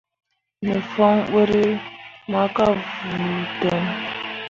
Me fon buuri ma ka vuu ten.